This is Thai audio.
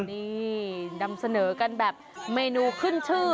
นี่นำเสนอกันแบบเมนูขึ้นชื่อ